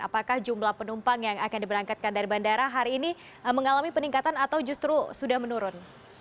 apakah jumlah penumpang yang akan diberangkatkan dari bandara hari ini mengalami peningkatan atau justru sudah menurun